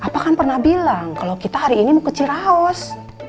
apa kan pernah bilang kalau kita hari ini mau kecil haus